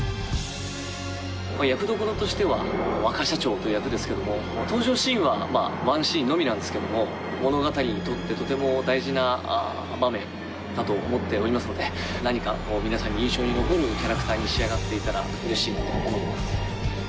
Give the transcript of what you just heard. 役どころとしては若社長という役ですけども登場シーンはワンシーンのみなんですけども物語にとってとても大事な場面だと思っておりますので何か皆さんに印象に残るキャラクターに仕上がっていたら嬉しいなと思います